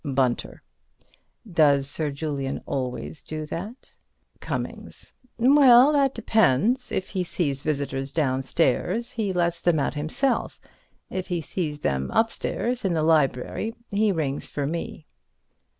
Bunter: Does Sir Julian always do that? Cummings: Well, that depends. If he sees visitors downstairs, he lets them out himself; if he sees them upstairs in the library, he rings for me.